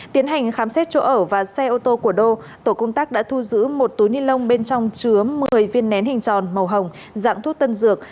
tiến hành khám xét chỗ ở và xe ô tô của đô tổ công tác đã thu giữ một túi ni lông bên trong chứa một mươi viên nén hình tròn màu hồng dạng thuốc tân dược